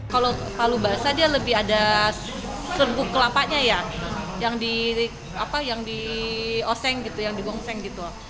kalau palu basah dia lebih ada serbuk kelapanya ya yang dioseng gitu yang digongseng gitu